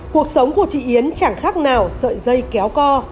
cuộc sống của chị yến chẳng khác nào sợi dây kéo co